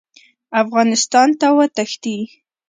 افغانستان ته وتښتي.